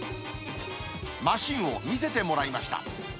マシンを見せてもらいました。